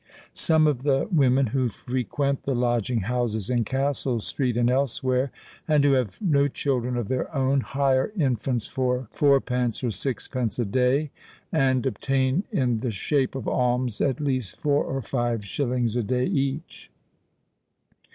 Some of the women who frequent the lodging houses in Castle Street and elsewhere, and who have no children of their own, hire infants for 4_d._ or 6_d._ a day, and obtain in the shape of alms at least four or five shillings a day each.